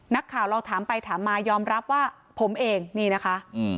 นักข่าวเราถามไปถามมายอมรับว่าผมเองนี่นะคะ